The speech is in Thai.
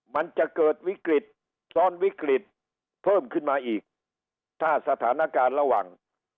มันจะเกิดวิกฤตซ้อนวิกฤตเพิ่มขึ้นมาอีกถ้าสถานการณ์ระหว่าง